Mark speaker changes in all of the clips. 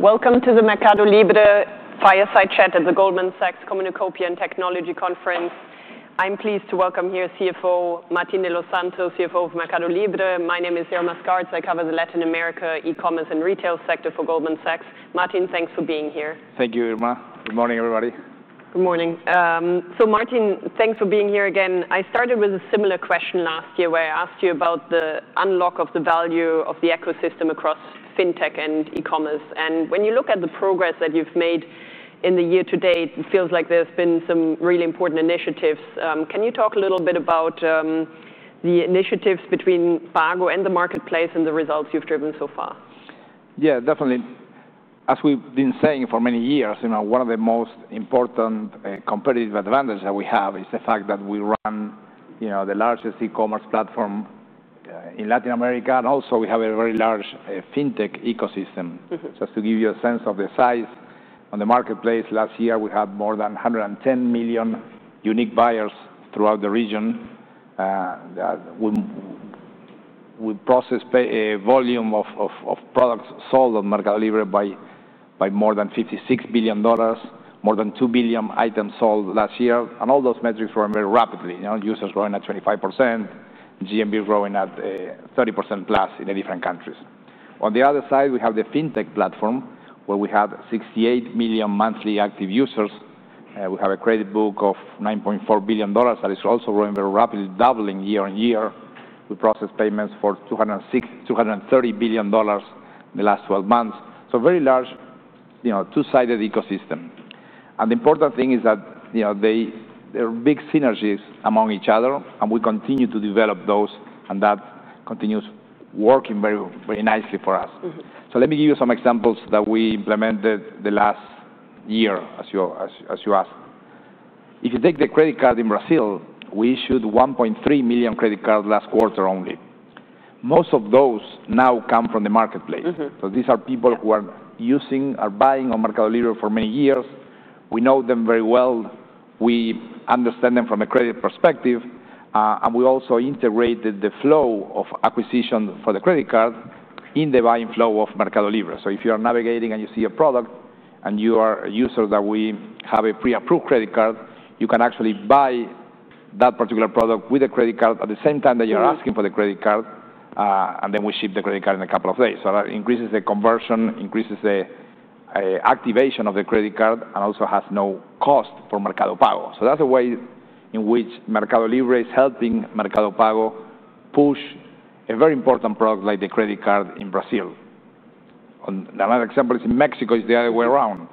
Speaker 1: Welcome to the MercadoLibre Fireside Chat at the Goldman Sachs Communicopia and Technology Conference. I'm pleased to welcome here CFO Martín de los Santos, CFO of MercadoLibre. My name is Irma Skarts. I cover the Latin America e-commerce and retail sector for Goldman Sachs. Martín, thanks for being here.
Speaker 2: Thank you, Irma. Good morning, everybody.
Speaker 1: Good morning. Martín, thanks for being here again. I started with a similar question last year where I asked you about the unlock of the value of the ecosystem across fintech and e-commerce. When you look at the progress that you've made in the year to date, it feels like there's been some really important initiatives. Can you talk a little bit about the initiatives between Mercado Pago and the marketplace and the results you've driven so far?
Speaker 2: Yeah, definitely. As we've been saying for many years, one of the most important competitive advantages that we have is the fact that we run the largest e-commerce platform in Latin America. We also have a very large fintech ecosystem. Just to give you a sense of the size on the marketplace, last year we had more than 110 million unique buyers throughout the region. We processed a volume of products sold on MercadoLibre by more than $56 billion, more than 2 billion items sold last year. All those metrics were very rapidly. Users growing at 25%, GMV growing at 30% plus in different countries. On the other side, we have the fintech platform where we have 68 million monthly active users. We have a credit book of $9.4 billion that is also growing very rapidly, doubling year on year. We process payments for $230 billion in the last 12 months. Very large, two-sided ecosystem. The important thing is that there are big synergies among each other. We continue to develop those. That continues working very, very nicely for us. Let me give you some examples that we implemented last year, as you asked. If you take the credit card in Brazil, we issued 1.3 million credit cards last quarter only. Most of those now come from the marketplace. These are people who are using, are buying on MercadoLibre for many years. We know them very well. We understand them from a credit perspective. We also integrated the flow of acquisition for the credit card in the buying flow of MercadoLibre. If you are navigating and you see a product and you are a user that we have a pre-approved credit card, you can actually buy that particular product with a credit card at the same time that you're asking for the credit card. We ship the credit card in a couple of days. That increases the conversion, increases the activation of the credit card, and also has no cost for Mercado Pago. That's a way in which MercadoLibre is helping Mercado Pago push a very important product like the credit card in Brazil. Another example is in Mexico, it's the other way around.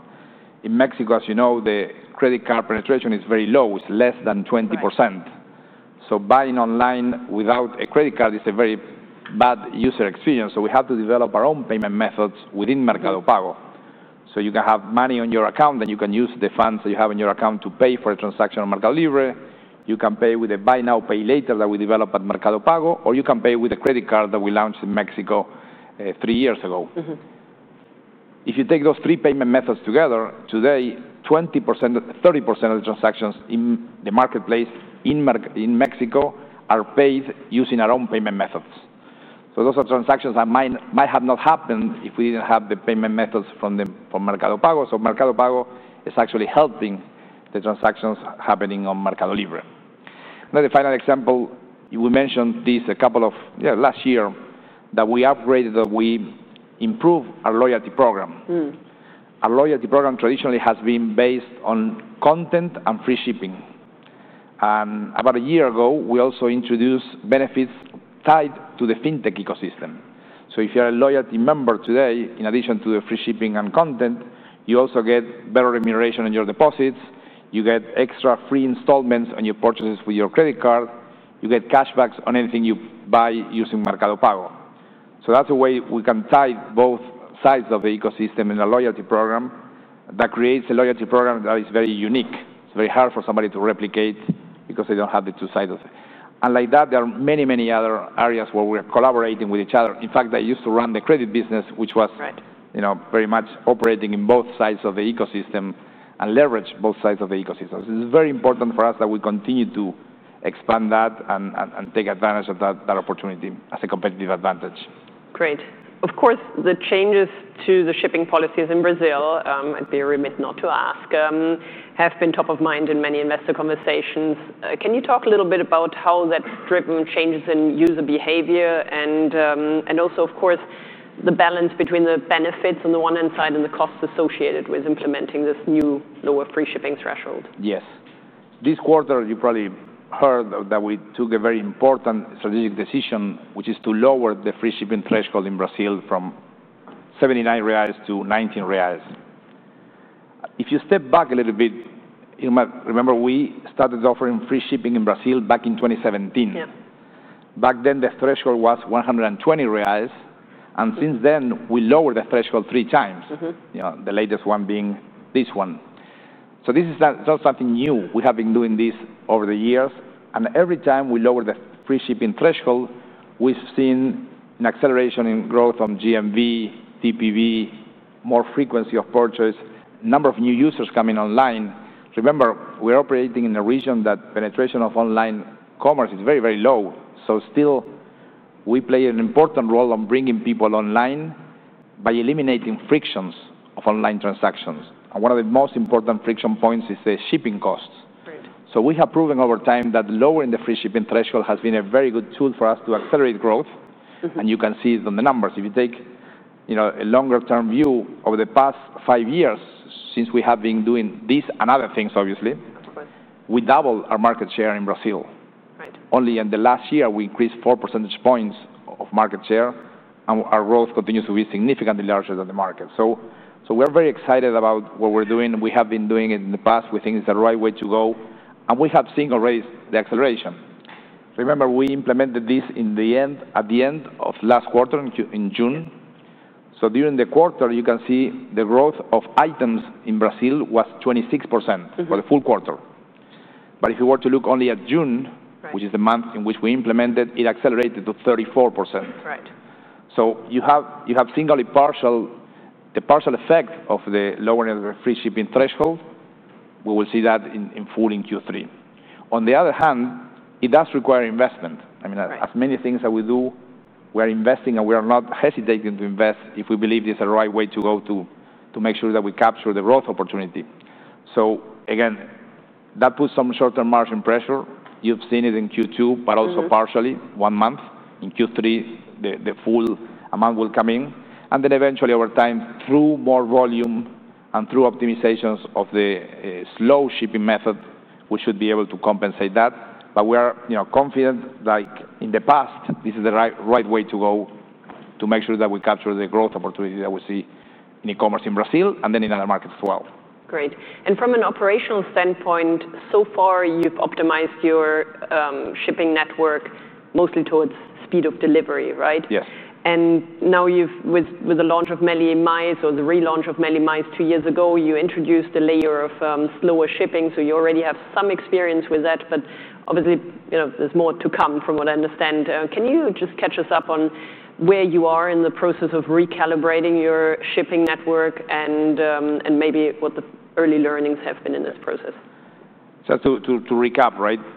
Speaker 2: In Mexico, as you know, the credit card penetration is very low. It's less than 20%. Buying online without a credit card is a very bad user experience. We had to develop our own payment methods within Mercado Pago. You can have money on your account, and you can use the funds that you have in your account to pay for a transaction on MercadoLibre. You can pay with the Buy Now, Pay Later that we developed at Mercado Pago, or you can pay with a credit card that we launched in Mexico three years ago. If you take those three payment methods together, today, 20% to 30% of the transactions in the marketplace in Mexico are paid using our own payment methods. Those are transactions that might have not happened if we didn't have the payment methods from Mercado Pago. Mercado Pago is actually helping the transactions happening on MercadoLibre. Another final example, we mentioned this a couple of last year that we upgraded, that we improved our loyalty program. Our loyalty program traditionally has been based on content and free shipping, and about a year ago, we also introduced benefits tied to the fintech ecosystem. If you're a loyalty member today, in addition to the free shipping and content, you also get better remuneration on your deposits. You get extra free installments on your purchases with your credit card. You get cashbacks on anything you buy using Mercado Pago. That's a way we can tie both sides of the ecosystem in a loyalty program that creates a loyalty program that is very unique. It's very hard for somebody to replicate because they don't have the two sides of it. There are many, many other areas where we are collaborating with each other. In fact, I used to run the credit business, which was pretty much operating in both sides of the ecosystem and leveraged both sides of the ecosystem. It's very important for us that we continue to expand that and take advantage of that opportunity as a competitive advantage.
Speaker 1: Great. Of course, the changes to the shipping policies in Brazil, I'd be remiss not to ask, have been top of mind in many investor conversations. Can you talk a little bit about how that's driven changes in user behavior and also, of course, the balance between the benefits on the one-hand side and the costs associated with implementing this new lower free shipping threshold?
Speaker 2: Yes. This quarter, you probably heard that we took a very important strategic decision, which is to lower the free shipping threshold in Brazil from R$79 to R$19. If you step back a little bit, remember we started offering free shipping in Brazil back in 2017. Back then, the threshold was R$120. Since then, we lowered the threshold three times, the latest one being this one. This is not something new. We have been doing this over the years. Every time we lower the free shipping threshold, we've seen an acceleration in growth on GMV, TPV, more frequency of purchase, number of new users coming online. Remember, we're operating in a region that penetration of online commerce is very, very low. We play an important role in bringing people online by eliminating frictions of online transactions. One of the most important friction points is the shipping costs. We have proven over time that lowering the free shipping threshold has been a very good tool for us to accelerate growth. You can see it on the numbers. If you take a longer-term view over the past five years, since we have been doing this and other things, obviously, we doubled our market share in Brazil. Only in the last year, we increased 4% points of market share. Our growth continues to be significantly larger than the market. We're very excited about what we're doing. We have been doing it in the past. We think it's the right way to go. We have seen already the acceleration. Remember, we implemented this at the end of last quarter, in June. During the quarter, you can see the growth of items in Brazil was 26% for the full quarter. If you were to look only at June, which is the month in which we implemented, it accelerated to 34%. You have seen a partial effect of the lowering of the free shipping threshold. We will see that in full in Q3. On the other hand, it does require investment. As many things that we do, we are investing and we are not hesitating to invest if we believe it's the right way to go to make sure that we capture the growth opportunity. That puts some short-term margin pressure. You've seen it in Q2, but also partially one month. In Q3, the full amount will come in. Eventually, over time, through more volume and through optimizations of the slow shipping method, we should be able to compensate that. We are confident, like in the past, this is the right way to go to make sure that we capture the growth opportunity that we see in e-commerce in Brazil and then in other markets as well.
Speaker 1: Great. From an operational standpoint, so far, you've optimized your shipping network mostly towards speed of delivery, right?
Speaker 2: Yes.
Speaker 1: With the launch of Meli Mas, or the relaunch of Meli Mas two years ago, you introduced a layer of slower shipping. You already have some experience with that. Obviously, there's more to come from what I understand. Can you just catch us up on where you are in the process of recalibrating your shipping network and maybe what the early learnings have been in this process?
Speaker 2: To recap,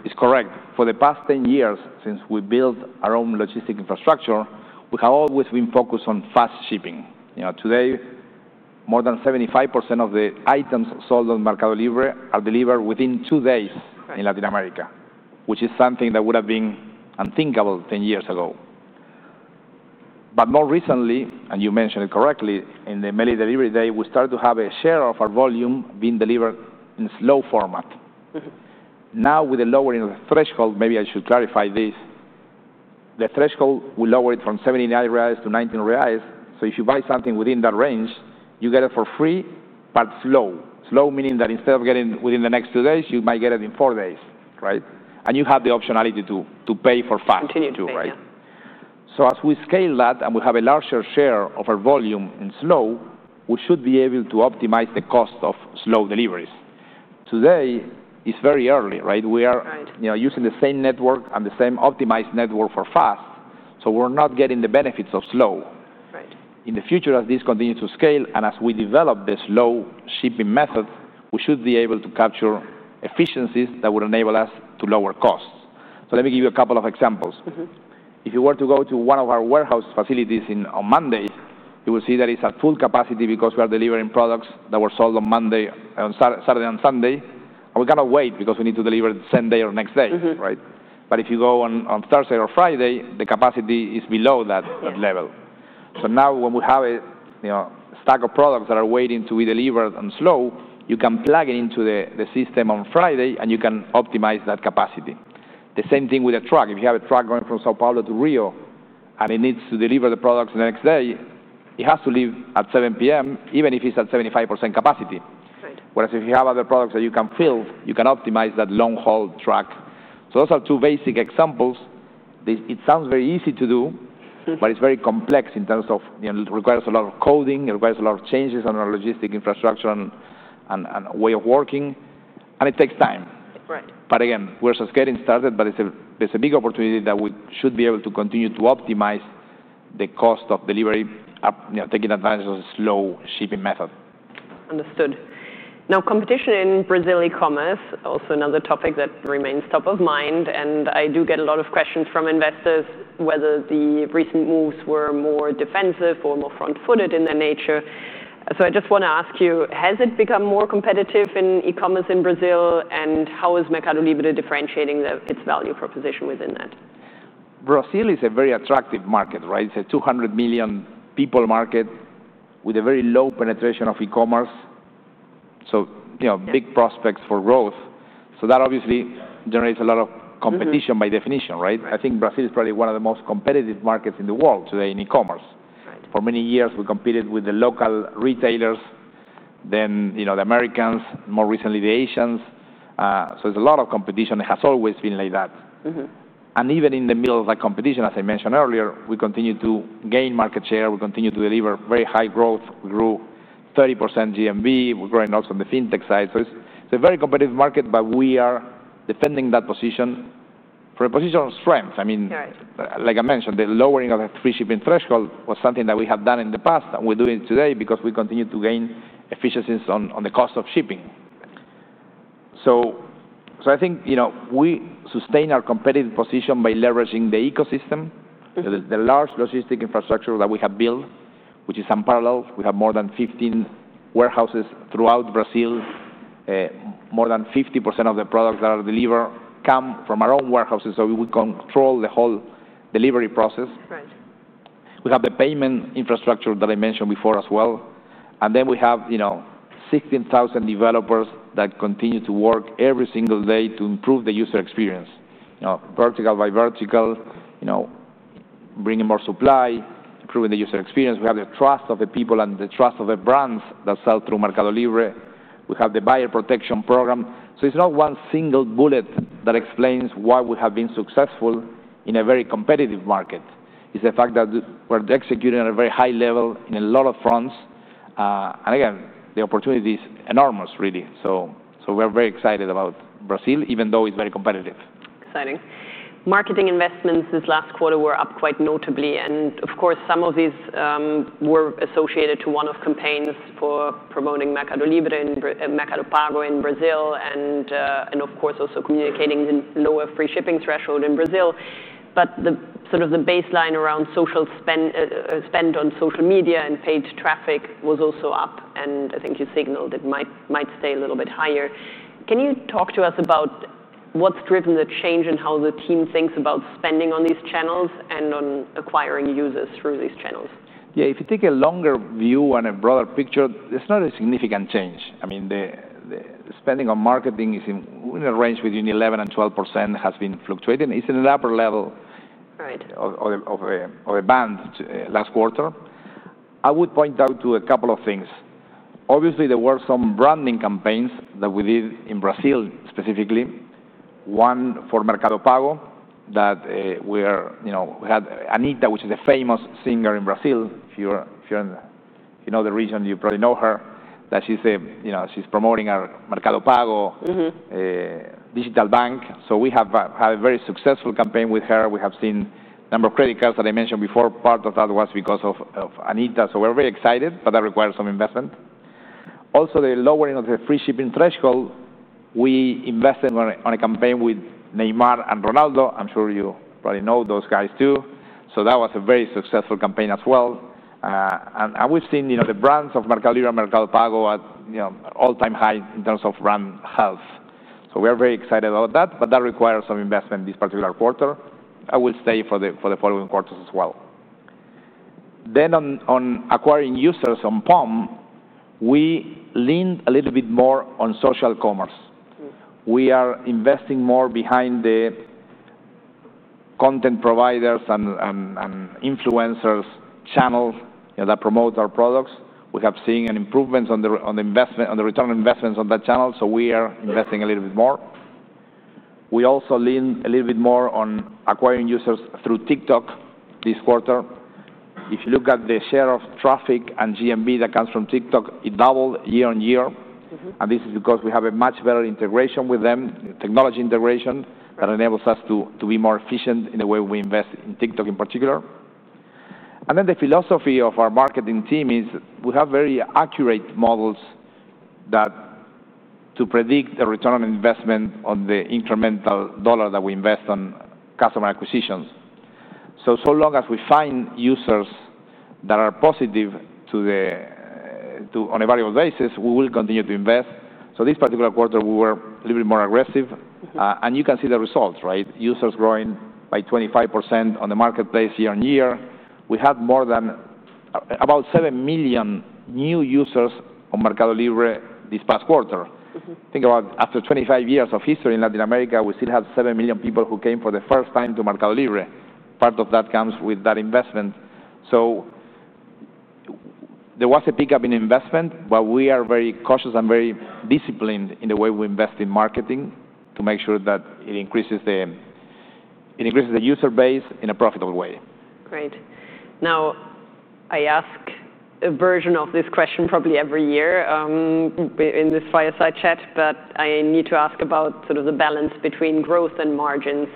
Speaker 2: it's correct. For the past 10 years, since we built our own logistic infrastructure, we have always been focused on fast shipping. Today, more than 75% of the items sold on MercadoLibre are delivered within two days in Latin America, which is something that would have been unthinkable 10 years ago. More recently, you mentioned it correctly, in the Meli Delivery Day, we started to have a share of our volume being delivered in slow format. Now, with the lowering of the threshold, maybe I should clarify this, the threshold, we lowered it from R$79 to R$19. If you buy something within that range, you get it for free, but slow. Slow meaning that instead of getting it within the next two days, you might get it in four days, right? You have the optionality to pay for fast.
Speaker 1: Continue to pay.
Speaker 2: As we scale that and we have a larger share of our volume in slow, we should be able to optimize the cost of slow deliveries. Today, it's very early, right? We are using the same network and the same optimized network for fast. We're not getting the benefits of slow. In the future, as this continues to scale and as we develop the slow shipping method, we should be able to capture efficiencies that will enable us to lower costs. Let me give you a couple of examples. If you were to go to one of our warehouse facilities on Monday, you will see that it's at full capacity because we are delivering products that were sold on Monday, on Saturday, and Sunday. We cannot wait because we need to deliver the same day or next day, right? If you go on Thursday or Friday, the capacity is below that level. Now, when we have a stack of products that are waiting to be delivered on slow, you can plug it into the system on Friday, and you can optimize that capacity. The same thing with a truck. If you have a truck going from São Paulo to Rio and it needs to deliver the products the next day, it has to leave at 7:00 P.M., even if it's at 75% capacity. If you have other products that you can fill, you can optimize that long haul truck. Those are two basic examples. It sounds very easy to do, but it's very complex in terms of it requires a lot of coding. It requires a lot of changes on our logistic infrastructure and way of working. It takes time. We're just getting started. There's a big opportunity that we should be able to continue to optimize the cost of delivery, taking advantage of the slow shipping method.
Speaker 1: Understood. Now, competition in Brazil e-commerce is also another topic that remains top of mind. I do get a lot of questions from investors whether the recent moves were more defensive or more front-footed in their nature. I just want to ask you, has it become more competitive in e-commerce in Brazil? How is MercadoLibre differentiating its value proposition within that?
Speaker 2: Brazil is a very attractive market, right? It's a 200 million people market with a very low penetration of e-commerce. Big prospects for growth. That obviously generates a lot of competition by definition, right? I think Brazil is probably one of the most competitive markets in the world today in e-commerce. For many years, we competed with the local retailers, then the Americans, more recently the Asians. There's a lot of competition. It has always been like that. Even in the middle of that competition, as I mentioned earlier, we continue to gain market share. We continue to deliver very high growth. We grew 30% GMV. We're growing also on the fintech side. It's a very competitive market. We are defending that position from a position of strength. Like I mentioned, the lowering of the free shipping threshold was something that we had done in the past. We're doing it today because we continue to gain efficiencies on the cost of shipping. I think we sustain our competitive position by leveraging the ecosystem, the large logistic infrastructure that we have built, which is unparalleled. We have more than 15 warehouses throughout Brazil. More than 50% of the products that are delivered come from our own warehouses. We control the whole delivery process. We have the payment infrastructure that I mentioned before as well. We have 16,000 developers that continue to work every single day to improve the user experience, vertical by vertical, bringing more supply, improving the user experience. We have the trust of the people and the trust of the brands that sell through MercadoLibre. We have the buyer protection program. It's not one single bullet that explains why we have been successful in a very competitive market. It's the fact that we're executing at a very high level in a lot of fronts. The opportunity is enormous, really. We're very excited about Brazil, even though it's very competitive.
Speaker 1: Exciting. Marketing investments this last quarter were up quite notably. Some of these were associated to one-off campaigns for promoting MercadoLibre and Mercado Pago in Brazil and also communicating the lower free shipping threshold in Brazil. The baseline around spend on social media and paid traffic was also up. I think you signaled it might stay a little bit higher. Can you talk to us about what's driven the change in how the team thinks about spending on these channels and on acquiring users through these channels?
Speaker 2: Yeah, if you take a longer view and a broader picture, there's not a significant change. I mean, the spending on marketing is in a range between 11% and 12% and has been fluctuating. It's at an upper level of a band last quarter. I would point out to a couple of things. Obviously, there were some branding campaigns that we did in Brazil specifically. One for Mercado Pago that we had Anitta, which is a famous singer in Brazil. If you're in the region, you probably know her. She's promoting our Mercado Pago digital bank. We have had a very successful campaign with her. We have seen a number of credit cards that I mentioned before. Part of that was because of Anitta. We're very excited. That requires some investment. Also, the lowering of the free shipping threshold, we invested on a campaign with Neymar and Ronaldo. I'm sure you probably know those guys too. That was a very successful campaign as well. We've seen the brands of MercadoLibre and Mercado Pago at all-time highs in terms of brand health. We are very excited about that. That requires some investment this particular quarter. That will stay for the following quarters as well. On acquiring users on POM, we leaned a little bit more on social commerce. We are investing more behind the content providers and influencers' channel that promotes our products. We have seen improvements on the return on investments on that channel. We are investing a little bit more. We also leaned a little bit more on acquiring users through TikTok this quarter. If you look at the share of traffic and GMV that comes from TikTok, it doubled year on year. This is because we have a much better integration with them, technology integration that enables us to be more efficient in the way we invest in TikTok in particular. The philosophy of our marketing team is we have very accurate models to predict the return on investment on the incremental dollar that we invest on customer acquisitions. So long as we find users that are positive on a variable basis, we will continue to invest. This particular quarter, we were a little bit more aggressive. You can see the results, right? Users growing by 25% on the marketplace year on year. We had more than about 7 million new users on MercadoLibre this past quarter. Think about after 25 years of history in Latin America, we still have 7 million people who came for the first time to MercadoLibre. Part of that comes with that investment. There was a pickup in investment. We are very cautious and very disciplined in the way we invest in marketing to make sure that it increases the user base in a profitable way.
Speaker 1: Great. Now, I ask a version of this question probably every year in this fireside chat. I need to ask about sort of the balance between growth and margins.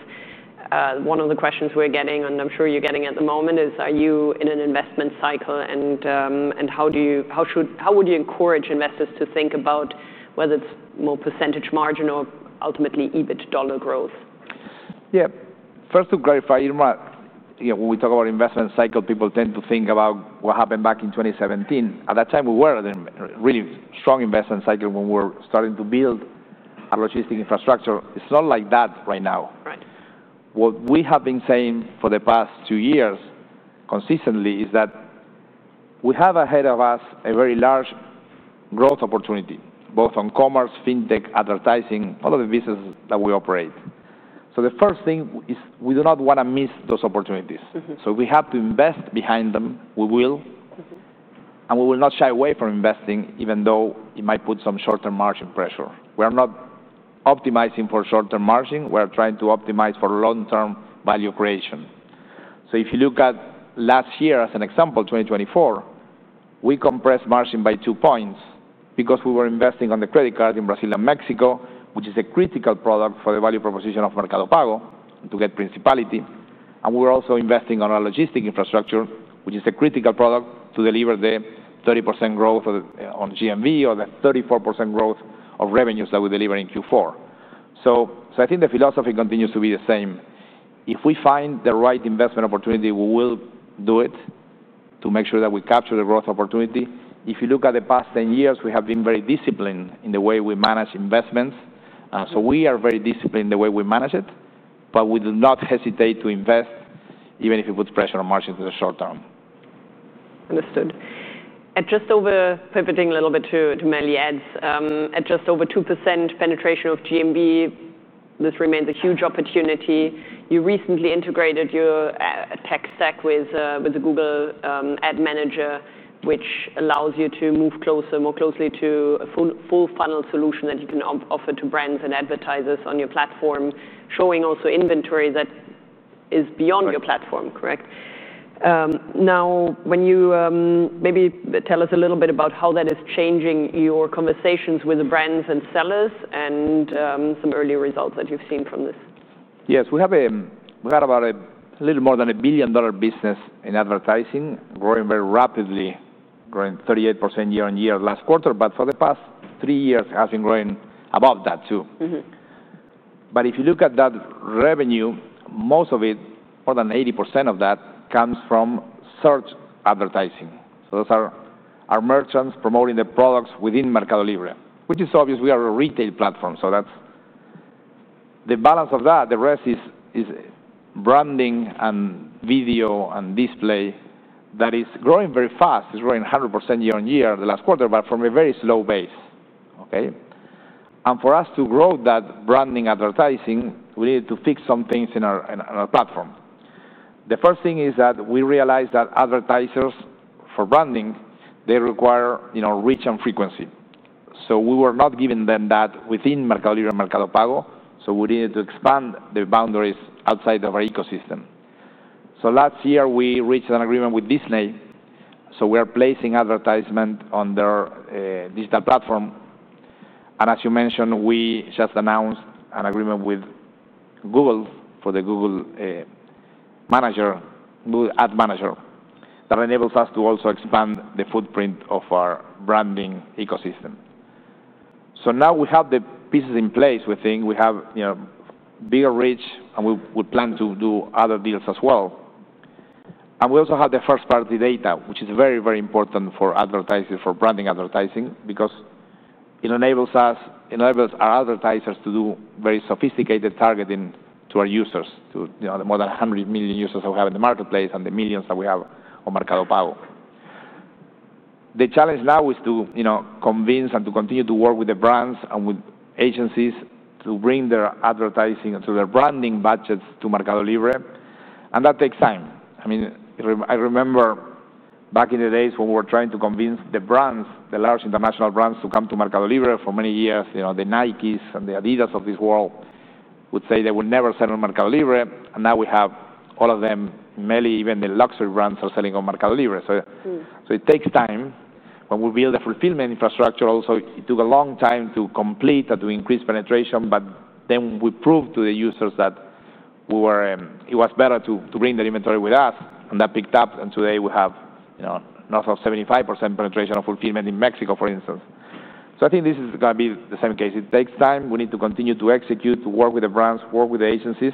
Speaker 1: One of the questions we're getting, and I'm sure you're getting at the moment, is are you in an investment cycle? How would you encourage investors to think about whether it's more % margin or ultimately EBIT dollar growth?
Speaker 2: Yeah. First, to clarify, Irma, when we talk about investment cycle, people tend to think about what happened back in 2017. At that time, we were in a really strong investment cycle when we were starting to build our logistic infrastructure. It's not like that right now. What we have been saying for the past two years consistently is that we have ahead of us a very large growth opportunity, both on commerce, fintech, advertising, all of the businesses that we operate. The first thing is we do not want to miss those opportunities. If we have to invest behind them, we will. We will not shy away from investing, even though it might put some short-term margin pressure. We are not optimizing for short-term margin. We are trying to optimize for long-term value creation. If you look at last year as an example, 2024, we compressed margin by two points because we were investing on the credit cards in Brazil and Mexico, which is a critical product for the value proposition of Mercado Pago to get principality. We were also investing on our logistic infrastructure, which is a critical product to deliver the 30% growth on GMV or the 34% growth of revenues that we deliver in Q4. I think the philosophy continues to be the same. If we find the right investment opportunity, we will do it to make sure that we capture the growth opportunity. If you look at the past 10 years, we have been very disciplined in the way we manage investments. We are very disciplined in the way we manage it. We do not hesitate to invest, even if it puts pressure on margin for the short term.
Speaker 1: Understood. Just pivoting a little bit to Meli Ads, at just over 2% penetration of GMV, this remains a huge opportunity. You recently integrated your tech stack with the Google Ad Manager, which allows you to move more closely to a full funnel solution that you can offer to brands and advertisers on your platform, showing also inventory that is beyond your platform, correct? Can you maybe tell us a little bit about how that is changing your conversations with the brands and sellers and some early results that you've seen from this?
Speaker 2: Yes, we had about a little more than a $1 billion business in advertising, growing very rapidly, growing 38% year on year last quarter. For the past three years, it has been growing above that too. If you look at that revenue, most of it, more than 80% of that, comes from search advertising. Those are our merchants promoting the products within MercadoLibre, which is obvious. We are a retail platform. That's the balance of that. The rest is branding and video and display that is growing very fast. It's growing 100% year on year the last quarter, but from a very slow pace. For us to grow that branding advertising, we needed to fix some things in our platform. The first thing is that we realized that advertisers for branding require reach and frequency. We were not giving them that within MercadoLibre and Mercado Pago. We needed to expand the boundaries outside of our ecosystem. Last year, we reached an agreement with Disney. We are placing advertisement on their digital platform. As you mentioned, we just announced an agreement with Google for the Google Ad Manager that enables us to also expand the footprint of our branding ecosystem. Now we have the pieces in place. We think we have bigger reach. We plan to do other deals as well. We also have the first-party data, which is very, very important for advertisers, for branding advertising, because it enables our advertisers to do very sophisticated targeting to our users, to the more than 100 million users that we have in the marketplace and the millions that we have on Mercado Pago. The challenge now is to convince and to continue to work with the brands and with agencies to bring their advertising and their branding budgets to MercadoLibre. That takes time. I remember back in the days when we were trying to convince the brands, the large international brands, to come to MercadoLibre for many years. The Nikes and the Adidas of this world would say they would never sell on MercadoLibre. Now we have all of them, many even the luxury brands are selling on MercadoLibre. It takes time. We built a fulfillment infrastructure also. It took a long time to complete and to increase penetration. Then we proved to the users that it was better to bring their inventory with us. That picked up. Today, we have north of 75% penetration of fulfillment in Mexico, for instance. I think this is going to be the same case. It takes time. We need to continue to execute, to work with the brands, work with the agencies.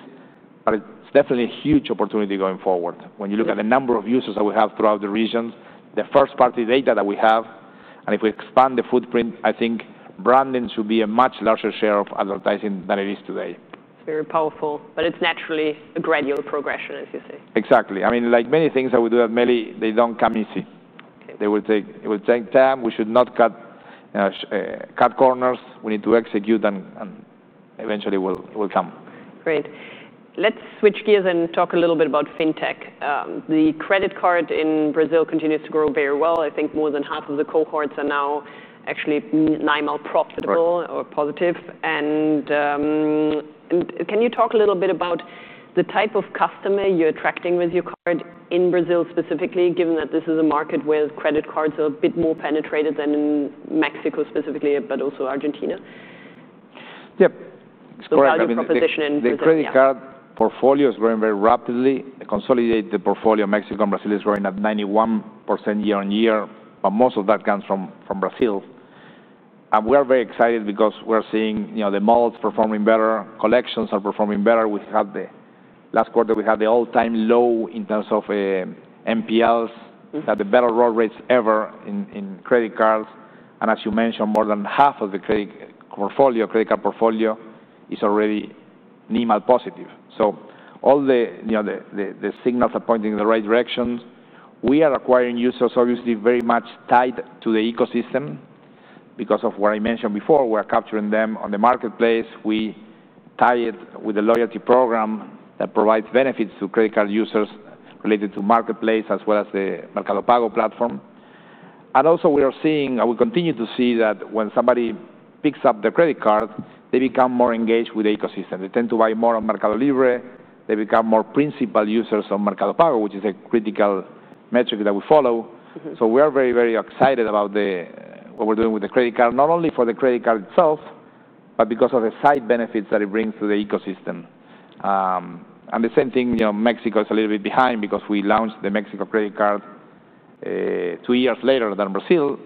Speaker 2: It's definitely a huge opportunity going forward. When you look at the number of users that we have throughout the regions, the first-party data that we have, and if we expand the footprint, I think branding should be a much larger share of advertising than it is today.
Speaker 1: Very powerful. It's naturally a gradual progression, as you say.
Speaker 2: Exactly. I mean, like many things that we do at Meli, they don't come easy. It will take time. We should not cut corners. We need to execute. Eventually, we'll come.
Speaker 1: Great. Let's switch gears and talk a little bit about fintech. The credit card in Brazil continues to grow very well. I think more than half of the cohorts are now actually NIMAL profitable or positive. Can you talk a little bit about the type of customer you're attracting with your card in Brazil specifically, given that this is a market where credit cards are a bit more penetrated than in Mexico specifically, but also Argentina?
Speaker 2: Yeah.
Speaker 1: How do you position in Brazil?
Speaker 2: The credit card portfolio is growing very rapidly. The consolidated portfolio in Mexico and Brazil is growing at 91% year on year. Most of that comes from Brazil. We are very excited because we're seeing the models performing better. Collections are performing better. Last quarter, we had the all-time low in terms of NPLs. We had the best roll rates ever in credit cards. As you mentioned, more than half of the credit card portfolio is already NIMAL positive. All the signals are pointing in the right directions. We are acquiring users, obviously, very much tied to the ecosystem because of what I mentioned before. We are capturing them on the marketplace. We tie it with a loyalty program that provides benefits to credit card users related to the marketplace, as well as the Mercado Pago platform. We are seeing, and we continue to see, that when somebody picks up their credit card, they become more engaged with the ecosystem. They tend to buy more on MercadoLibre. They become more principal users on Mercado Pago, which is a critical metric that we follow. We are very, very excited about what we're doing with the credit card, not only for the credit card itself, but because of the side benefits that it brings to the ecosystem. The same thing, Mexico is a little bit behind because we launched the Mexico credit card two years later than Brazil.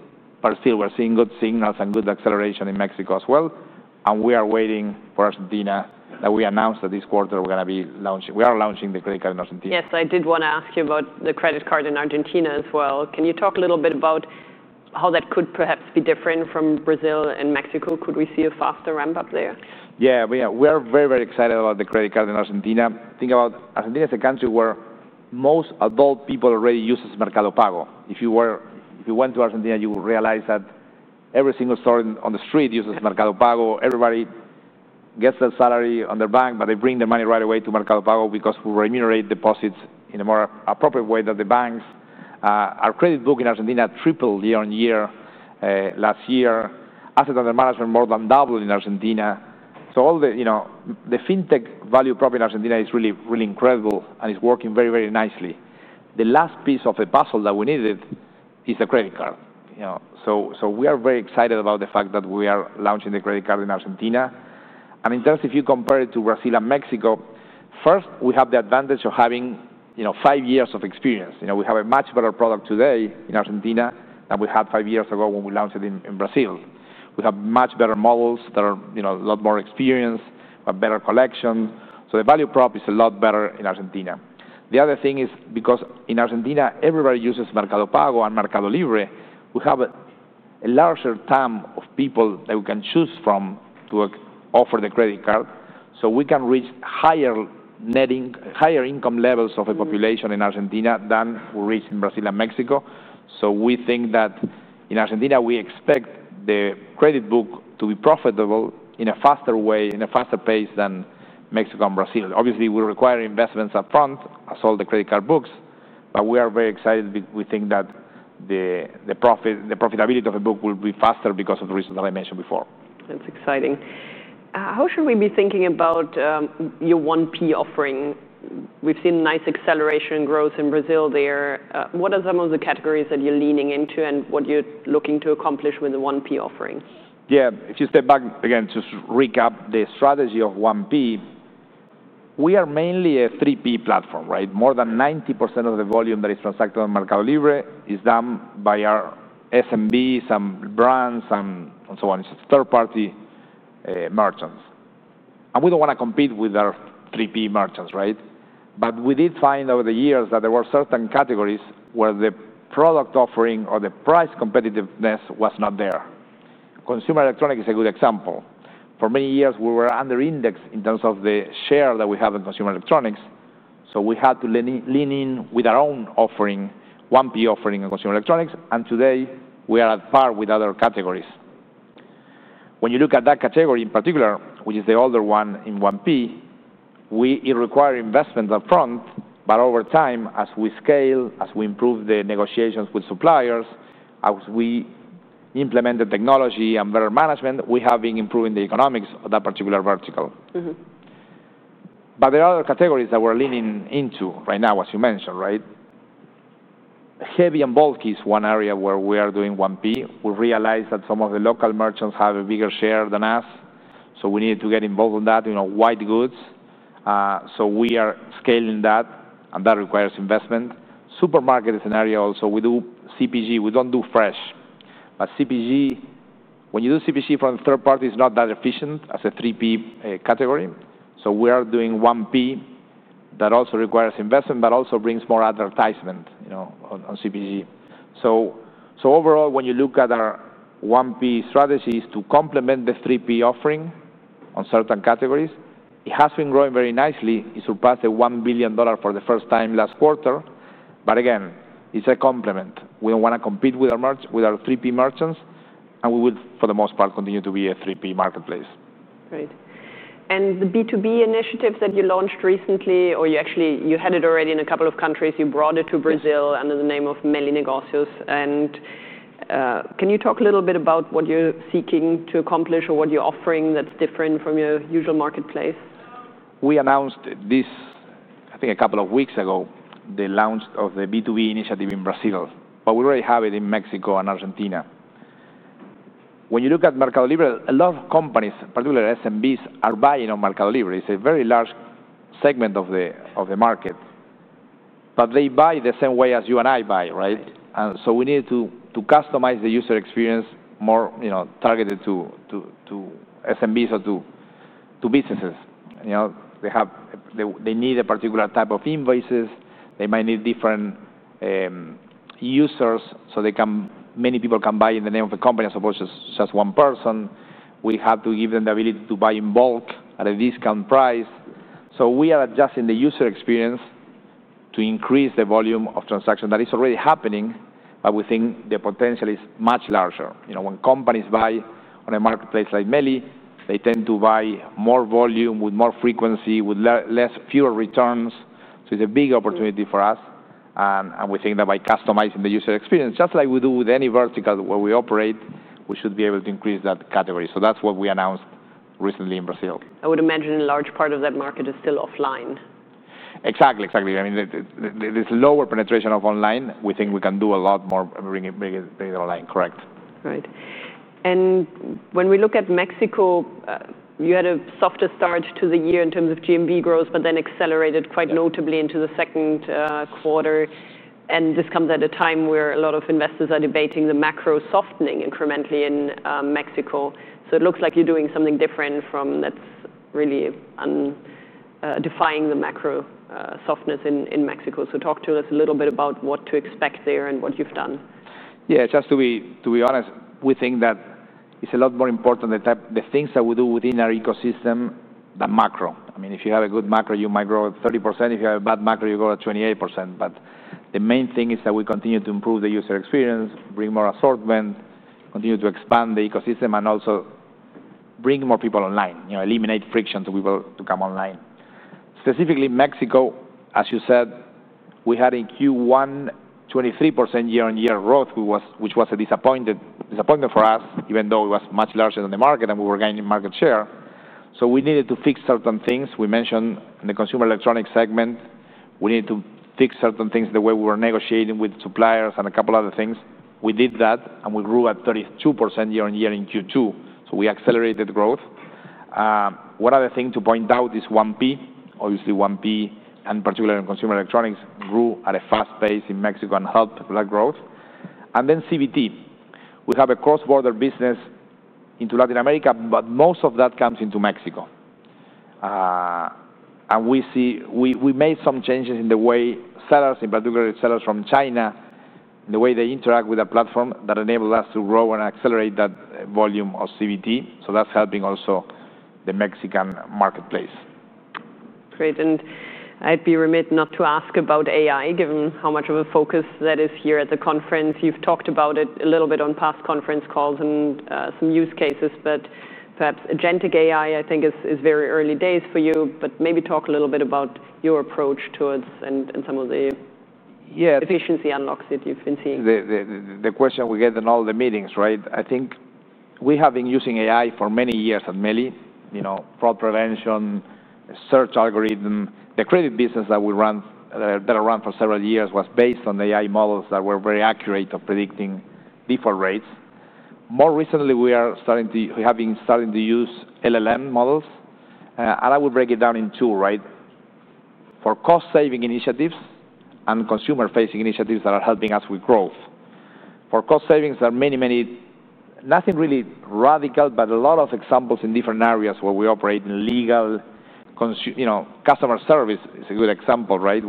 Speaker 2: Still, we're seeing good signals and good acceleration in Mexico as well. We are waiting for Argentina that we announced that this quarter we're going to be launching. We are launching the credit card in Argentina.
Speaker 1: Yes, I did want to ask you about the credit card in Argentina as well. Can you talk a little bit about how that could perhaps be different from Brazil and Mexico? Could we see a faster ramp-up there?
Speaker 2: Yeah, we are very, very excited about the credit card in Argentina. Think about Argentina as a country where most adult people already use Mercado Pago. If you went to Argentina, you realize that every single store on the street uses Mercado Pago. Everybody gets that salary on their bank, but they bring the money right away to Mercado Pago because we remunerate deposits in a more appropriate way than the banks. Our credit book in Argentina tripled year on year last year. Asset under management more than doubled in Argentina. All the fintech value prop in Argentina is really, really incredible, and it's working very, very nicely. The last piece of the puzzle that we needed is the credit card. We are very excited about the fact that we are launching the credit card in Argentina. In terms of if you compare it to Brazil and Mexico, first, we have the advantage of having five years of experience. We have a much better product today in Argentina than we had five years ago when we launched it in Brazil. We have much better models that are a lot more experienced, a better collection. The value prop is a lot better in Argentina. The other thing is because in Argentina, everybody uses Mercado Pago and MercadoLibre, we have a larger team of people that we can choose from to offer the credit card. We can reach higher income levels of a population in Argentina than we reach in Brazil and Mexico. We think that in Argentina, we expect the credit book to be profitable in a faster way, in a faster pace than Mexico and Brazil. Obviously, we require investments upfront, as all the credit card books. We are very excited. We think that the profitability of a book will be faster because of the reasons that I mentioned before.
Speaker 1: That's exciting. How should we be thinking about your 1P offering? We've seen nice acceleration and growth in Brazil there. What are some of the categories that you're leaning into, and what you're looking to accomplish with the 1P offering?
Speaker 2: Yeah, if you step back again to recap the strategy of 1P, we are mainly a 3P platform, right? More than 90% of the volume that is transacted on MercadoLibre is done by our SMBs and brands and so on. It's a third-party merchant. We don't want to compete with our 3P merchants, right? We did find over the years that there were certain categories where the product offering or the price competitiveness was not there. Consumer electronics is a good example. For many years, we were under-indexed in terms of the share that we have in consumer electronics. We had to lean in with our own 1P offering in consumer electronics. Today, we are at par with other categories. When you look at that category in particular, which is the older one in 1P, it requires investment upfront. Over time, as we scale, as we improve the negotiations with suppliers, as we implement the technology and better management, we have been improving the economics of that particular vertical. There are other categories that we're leaning into right now, as you mentioned, right? Heavy and bulky is one area where we are doing 1P. We realized that some of the local merchants have a bigger share than us. We needed to get involved in that, you know, white goods. We are scaling that. That requires investment. Supermarket scenario, we do CPG. We don't do fresh. CPG, when you do CPG from a third party, it's not that efficient as a 3P category. We are doing 1P that also requires investment, but also brings more advertisement on CPG. Overall, when you look at our 1P strategy, it's to complement the 3P offering on certain categories. It has been growing very nicely. It surpassed the $1 billion for the first time last quarter. Again, it's a complement. We don't want to compete with our 3P merchants. We will, for the most part, continue to be a 3P marketplace.
Speaker 1: Great. The B2B initiatives that you launched recently, or you actually had it already in a couple of countries, you brought it to Brazil under the name of Meli Negocios. Can you talk a little bit about what you're seeking to accomplish or what you're offering that's different from your usual marketplace?
Speaker 2: We announced this, I think, a couple of weeks ago, the launch of the B2B initiative in Brazil. We already have it in Mexico and Argentina. When you look at MercadoLibre, a lot of companies, particularly SMBs, are buying on MercadoLibre. It's a very large segment of the market. They buy the same way as you and I buy, right? We needed to customize the user experience more targeted to SMBs or to businesses. They need a particular type of invoices. They might need different users, so many people can buy in the name of a company as opposed to just one person. We have to give them the ability to buy in bulk at a discount price. We are adjusting the user experience to increase the volume of transaction that is already happening. We think the potential is much larger. When companies buy on a marketplace like Meli, they tend to buy more volume with more frequency, with fewer returns. It's a big opportunity for us. We think that by customizing the user experience, just like we do with any vertical where we operate, we should be able to increase that category. That's what we announced recently in Brazil.
Speaker 1: I would imagine a large part of that market is still offline.
Speaker 2: Exactly, exactly. I mean, this lower penetration of online, we think we can do a lot more bringing it online, correct.
Speaker 1: Right. When we look at Mexico, you had a softer start to the year in terms of GMV growth, but then accelerated quite notably into the second quarter. This comes at a time where a lot of investors are debating the macro softening incrementally in Mexico. It looks like you're doing something different that's really defying the macro softness in Mexico. Talk to us a little bit about what to expect there and what you've done.
Speaker 2: Yeah, just to be honest, we think that it's a lot more important, the things that we do within our ecosystem than macro. I mean, if you have a good macro, you might grow at 30%. If you have a bad macro, you grow at 28%. The main thing is that we continue to improve the user experience, bring more assortment, continue to expand the ecosystem, and also bring more people online, eliminate friction to people to come online. Specifically, Mexico, as you said, we had in Q1 23% year-on-year growth, which was a disappointment for us, even though it was much larger than the market and we were gaining market share. We needed to fix certain things. We mentioned in the consumer electronics segment, we needed to fix certain things, the way we were negotiating with suppliers and a couple of other things. We did that, and we grew at 32% year-on-year in Q2. We accelerated growth. One other thing to point out is 1P. Obviously, 1P, and particularly in consumer electronics, grew at a fast pace in Mexico and helped with that growth. Then CBT. We have a cross-border business into Latin America, but most of that comes into Mexico. We made some changes in the way sellers, in particular sellers from China, the way they interact with the platform that enabled us to grow and accelerate that volume of CBT. That's helping also the Mexican marketplace.
Speaker 1: Great. I'd be remiss not to ask about AI, given how much of a focus that is here at the conference. You've talked about it a little bit on past conference calls and some use cases. Perhaps agentic AI, I think, is very early days for you. Maybe talk a little bit about your approach towards it and some of the efficiency unlocks that you've been seeing.
Speaker 2: The question we get in all the meetings, right? I think we have been using AI for many years at MercadoLibre, fraud prevention, search algorithm. The credit business that we run, that I ran for several years, was based on AI models that were very accurate at predicting default rates. More recently, we are starting to use LLM models. I would break it down in two, right? For cost-saving initiatives and consumer-facing initiatives that are helping us with growth. For cost savings, there are many, many, nothing really radical, but a lot of examples in different areas where we operate. In legal, customer service is a good example, right?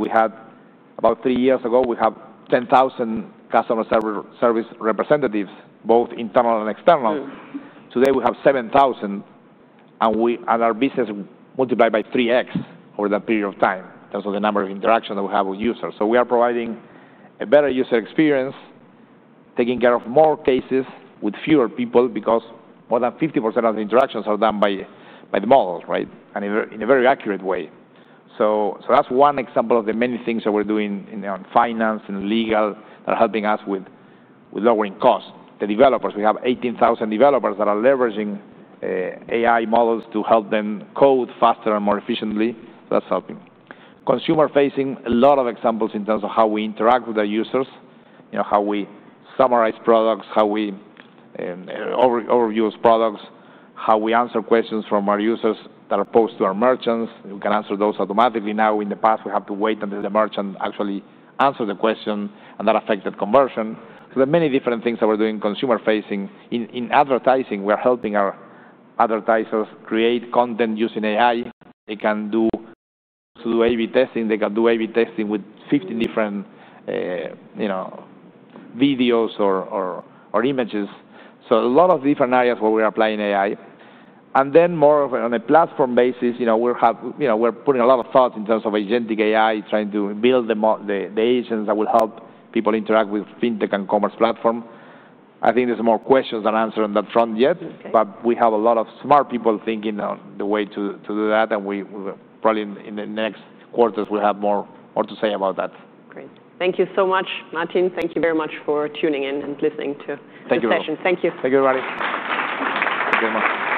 Speaker 2: About three years ago, we had 10,000 customer service representatives, both internal and external. Today, we have 7,000. Our business multiplied by 3x over that period of time in terms of the number of interactions that we have with users. We are providing a better user experience, taking care of more cases with fewer people because more than 50% of the interactions are done by the models, right, and in a very accurate way. That is one example of the many things that we're doing in finance and legal that are helping us with lowering costs. The developers, we have 18,000 developers that are leveraging AI models to help them code faster and more efficiently. That is helping. Consumer-facing, a lot of examples in terms of how we interact with our users, how we summarize products, how we overuse products, how we answer questions from our users that are posed to our merchants. We can answer those automatically. In the past, we had to wait until the merchant actually answered the question. That affected conversion. There are many different things that we're doing consumer-facing. In advertising, we are helping our advertisers create content using AI. They can do A/B testing. They can do A/B testing with 15 different videos or images. A lot of different areas where we're applying AI. More on a platform basis, we're putting a lot of thought in terms of agentic AI, trying to build the agents that will help people interact with fintech and commerce platform. I think there's more questions than answers on that front yet. We have a lot of smart people thinking on the way to do that. Probably in the next quarters, we'll have more to say about that.
Speaker 1: Great. Thank you so much, Martín. Thank you very much for tuning in and listening to our session.
Speaker 2: Thank you. Thank you, everybody.